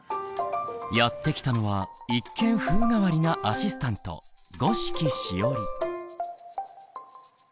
やって来たのは一見風変わりなアシスタント五色しおり。